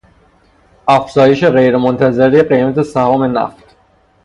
افزایش غیر منتظرهی قیمت سهام نفت